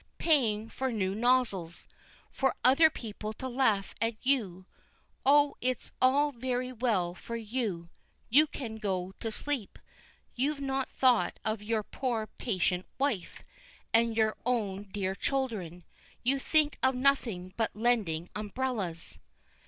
Paying for new nozzles, for other people to laugh at you. Oh, it's all very well for you you can go to sleep. You've no thought of your poor patient wife, and your own dear children. You think of nothing but lending umbrellas.